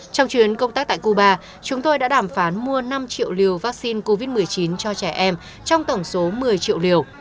trong chuyến công tác tại cuba chúng tôi đã đàm phán mua năm triệu liều vaccine covid một mươi chín cho trẻ em trong tổng số một mươi triệu liều